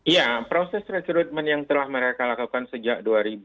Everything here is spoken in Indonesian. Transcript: ya proses recruitment yang telah mereka lakukan sejak dua ribu empat belas